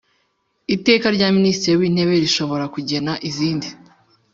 Iteka rya Minisitiri w Intebe rishobora kugena izindi